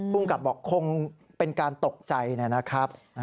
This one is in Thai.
ภูมิกับบอกคงเป็นการตกใจนะครับ